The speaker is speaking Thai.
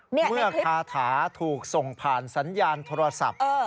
เมื่อคาถาถูกส่งผ่านสัญญาณโทรศัพท์